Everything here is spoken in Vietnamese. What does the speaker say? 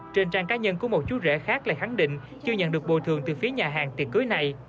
trên trang cá nhân của một chú rễ khác lại khẳng định chưa nhận được bồi thường từ phía nhà hàng tiệc cưới này